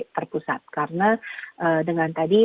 perpusat karena dengan tadi